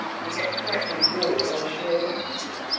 He gets frightfully bored on shore."